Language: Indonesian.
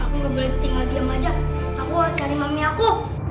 aku tidak boleh tinggal diam saja aku mau cari mami aku